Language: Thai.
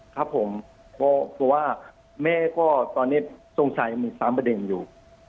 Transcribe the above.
ครับผมเพราะว่าแม่ก็ตอนนี้สงสัยยังมี๓ประเด็นอยู่